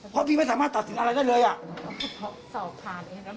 อ๋อพอดีน้องที่แหละ